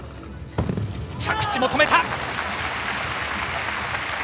着地も止めた！